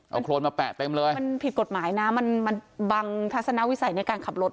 เอาโครนมาแปะเต็มเลยมันผิดกฎหมายนะมันมันบังทัศนวิสัยในการขับรถ